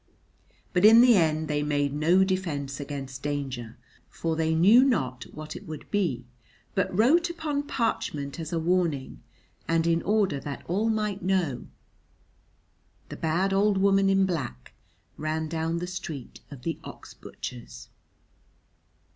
But in the end they made no defence against danger, for they knew not what it would be, but wrote upon parchment as a warning, and in order that all might know: "_The bad old woman in black ran down the street of the ox butchers.